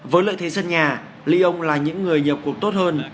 với lợi thế sân nhà lyon là những người nhập cuộc tốt hơn